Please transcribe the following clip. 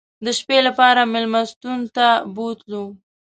د شپې لپاره مېلمستون ته بوتلو.